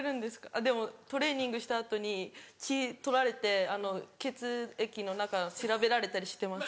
あっでもトレーニングした後に血採られて血液の何か調べられたりしてます。